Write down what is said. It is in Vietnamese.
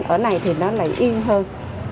ở này thì nó lại yên hơn